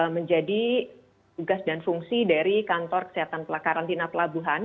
menjadi tugas dan fungsi dari kantor kesehatan karantina pelabuhan